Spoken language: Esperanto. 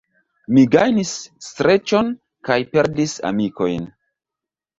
Mi gajnis streĉon kaj perdis amikojn.